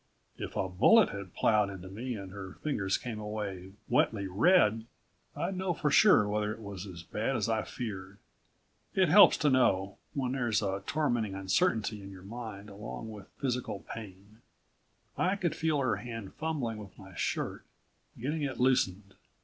If a bullet had ploughed into me and her fingers came away wetly red I'd know for sure whether it was as bad as I feared. It helps to know, when there's a tormenting uncertainty in your mind along with the physical pain. I could feel her hand fumbling with my shirt, getting it loosened.